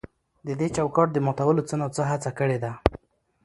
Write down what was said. د دې چوکاټ د ماتولو څه نا څه هڅه کړې ده.